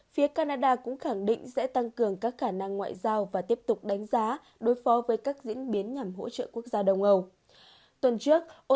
phía canada cũng khẳng định sẽ tăng cường các khả năng ngoại giao và tiếp tục đánh giá đối phó với các diễn biến nhằm hỗ trợ quốc gia đông âu